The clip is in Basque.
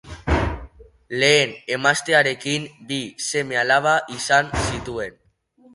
Lehen emaztearekin bi seme-alaba izan zituen.